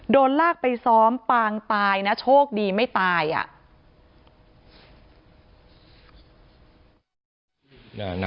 โดนลากไปซ้อมปางตายนะโชคดีไม่ตายอ่ะ